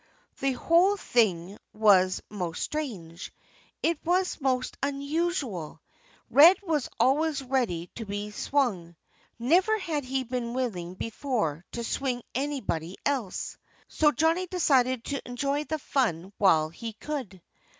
The whole thing was most strange. It was most unusual. Red was always ready to be swung. Never had he been willing, before, to swing anybody else. So Johnnie decided to enjoy the fun while he could.